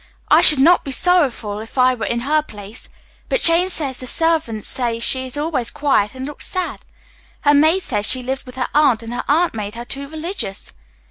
I should not be sorrowful if I were in her place; but Jane says the servants say she is always quiet and looks sad." "Her maid says she lived with her aunt, and her aunt made her too religious."